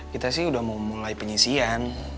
kita sih udah mau mulai penyisian